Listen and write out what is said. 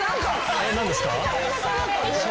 えっ何ですか？